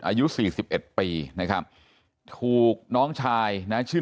อายุสี่สิบเอ็ดปีนะครับถูกน้องชายนะชื่อ